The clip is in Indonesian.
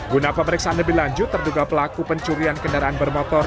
guna pemeriksaan lebih lanjut terduga pelaku pencurian kendaraan bermotor